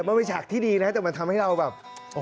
มันเป็นฉากที่ดีนะแต่มันทำให้เราแบบ